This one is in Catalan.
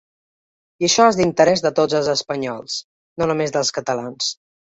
I això és d’interès de tots es espanyols, no només dels catalans.